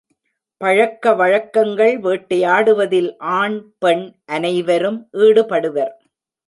பழக்கவழக்கங்கள் வேட்டையாடுவதில் ஆண் பெண் அனைவரும் ஈடுபடுவர்.